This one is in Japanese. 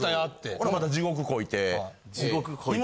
ほなまた地獄こいて。